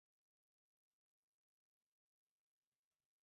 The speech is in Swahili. kugombea urais mwaka elfu moja mia tisa themanini na tisa na kushinda uteuzi wa